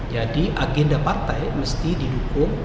jadi agenda partai mesti didukung